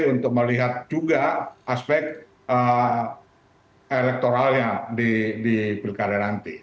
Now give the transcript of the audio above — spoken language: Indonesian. untuk melihat juga aspek elektoralnya di pilkada nanti